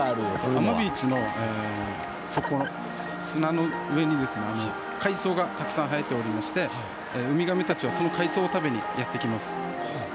阿真ビーチの砂の上に海草がたくさん生えておりましてウミガメたちはその海草を食べにやってきます。